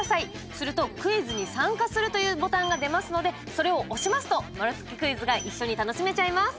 すると、クイズに参加するというボタンが出ますのでそれを押しますと丸つけクイズが一緒に楽しめちゃいます。